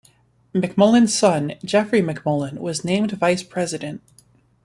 McMullen's son, Jeffrey McMullen, was named Vice President.